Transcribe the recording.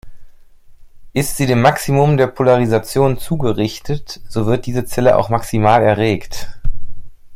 Ist sie dem Maximum der Polarisation zugerichtet, so wird diese Zelle auch maximal erregt.